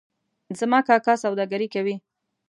زما کاکا سوداګري کوي